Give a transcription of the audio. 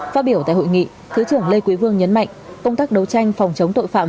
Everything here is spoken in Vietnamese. phát biểu tại hội nghị thứ trưởng lê quý vương nhấn mạnh công tác đấu tranh phòng chống tội phạm